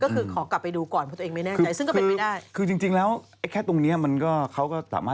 ก็คือขอกลับไปดูก่อนเพราะตัวเองไม่แน่ใจ